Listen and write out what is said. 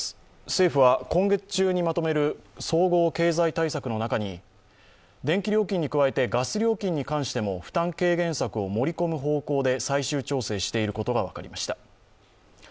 政府は今月中にまとめる総合経済対策の中に電気料金に加えてガス料金に関しても負担軽減策を盛り込む方向で最終調整していることが分かりました。